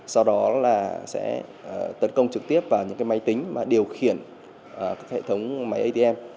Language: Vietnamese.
sau đó là sẽ tấn công trực tiếp vào những máy tính mà điều khiển các hệ thống máy atm